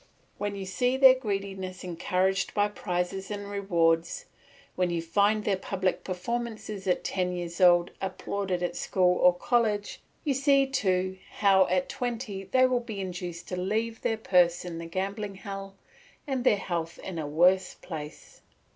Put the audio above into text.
When you see their greediness encouraged by prizes and rewards, when you find their public performances at ten years old applauded at school or college, you see too how at twenty they will be induced to leave their purse in a gambling hell and their health in a worse place.